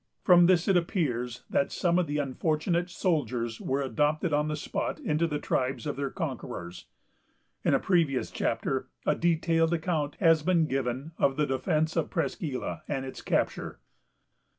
From this it appears that some of the unfortunate soldiers were adopted on the spot into the tribes of their conquerors. In a previous chapter, a detailed account has been given of the defence of Presqu' Isle, and its capture.